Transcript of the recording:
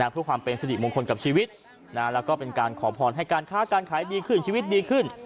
เพื่อความเป็นสิริมงคลกับชีวิตแล้วก็เป็นการขอพรให้การค้าการขายดีขึ้นชีวิตดีขึ้น